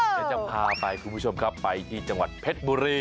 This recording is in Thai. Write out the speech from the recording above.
โอ้โฮจะพาไปคุณผู้ชมค่ะไปที่จังหวัดเพชรบุรี